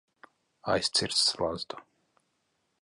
Aizcirst slazdu.